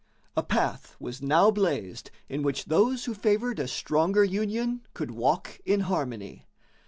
A path was now blazed in which those who favored a stronger union could walk in harmony.